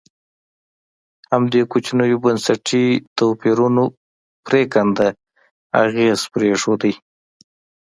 همدې کوچنیو بنسټي توپیرونو پرېکنده اغېزې پرېښودې.